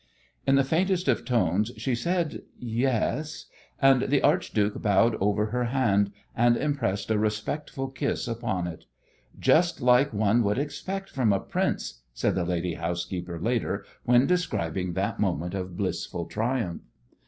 In the faintest of tones she said "Yes," and the archduke bowed over her hand, and impressed a respectful kiss upon it. "Just like one would expect from a prince," said the lady housekeeper later when describing that moment of blissful triumph.